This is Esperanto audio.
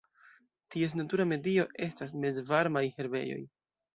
Ties natura medio estas mezvarmaj herbejoj.